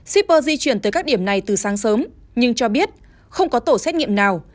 shipper di chuyển tới các điểm này từ sáng sớm nhưng cho biết không có tổ xét nghiệm nào